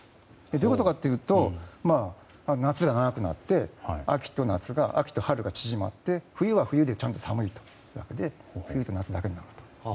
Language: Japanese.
どういうことかというと夏が長くなって秋と春が縮まって冬は冬でちゃんと寒いということで冬と夏だけになると。